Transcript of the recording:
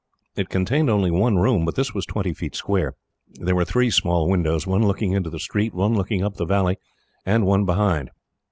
It contained only one room, but this was twenty feet square. There were three small windows, one looking into the street, one looking up the valley, and one behind.